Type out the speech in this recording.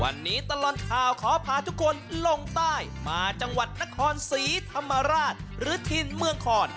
วันนี้ตลอดข่าวขอพาทุกคนลงใต้มาจังหวัดนครศรีธรรมราชหรือถิ่นเมืองคอน